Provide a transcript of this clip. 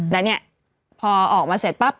แล้วเนี่ยพอออกมาเสร็จปั๊บ